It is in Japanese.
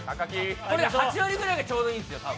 これ、８割くらいがちょうどいいんですよ。